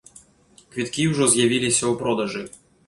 Квіткі ўжо з'явіліся ў продажы.